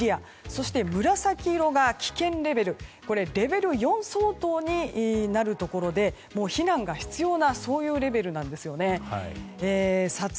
そして、紫色が危険レベルレベル４相当になるところで避難が必要なレベルなんですね。